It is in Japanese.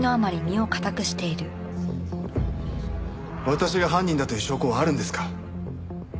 私が犯人だという証拠はあるんですか？